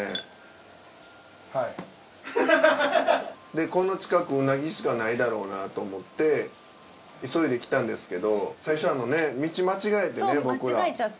でこの近くうなぎしかないだろうなと思って急いで来たんですけど最初道間違えてね。